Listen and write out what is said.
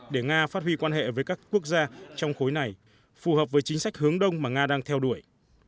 để nga phát huy quan hệ với các quốc gia trong khối này phù hợp với chính sách hướng đông mà nga đang theo đuổi